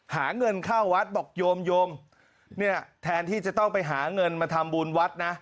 หาเงินเข้าวัดบอกโยมโยมเนี่ยแทนที่จะต้องไปหาเงินมาทำบุญวัดนะ